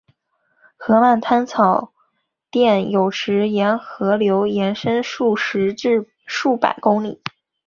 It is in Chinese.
河漫滩草甸有时沿河流延伸数十至数百公里。